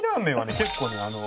結構ね